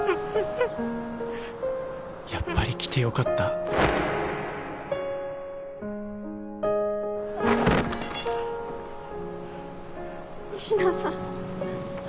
やっぱり来てよかった仁科さん？